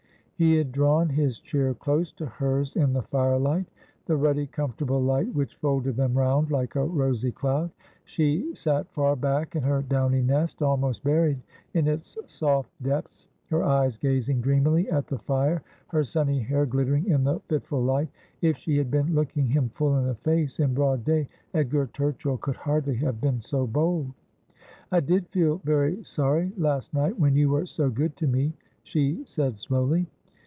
He had drawn his chair close to hers in the firelight — the ruddy, comfortable light which folded them round like a rosy cloud. She sat far back in her downy nest, almost buried in its soft depths, her eyes gazing dreamily at the fire, her sunny hair glittering in the fitful light. If she had been looking him full in the face, in broad day, Edgar Turchill could hardly have been so bold. ' I did feel very sorry, last night, when you were so good to me,' she said slowly.